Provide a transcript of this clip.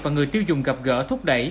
và người tiêu dùng gặp gỡ thúc đẩy